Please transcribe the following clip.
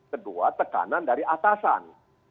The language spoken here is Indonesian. kedua tekanan dari atasan